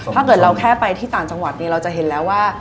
ถ้าเกิดเราแค่ไปที่ต่างจังหวัดเราจะเห็นแล้วว่า